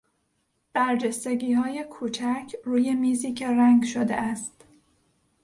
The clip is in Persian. برجستگیهای کوچک روی میزی که رنگ شده است